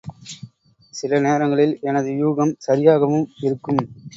சில நேரங்களில் எனது யூகம் சரியாகவும் இருக்கும்.